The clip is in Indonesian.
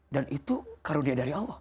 itu karunia dari allah